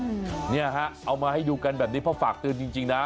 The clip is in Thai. เนี่ยฮะเอามาให้ดูกันแบบนี้เพราะฝากเตือนจริงจริงนะ